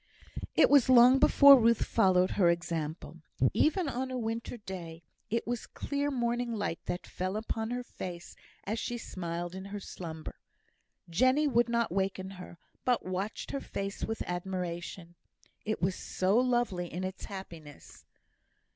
It was long before Ruth followed her example. Even on a winter day, it was clear morning light that fell upon her face as she smiled in her slumber. Jenny would not waken her, but watched her face with admiration; it was so lovely in its happiness.